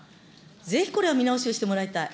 ぜひこれは見直しをしてもらいたい。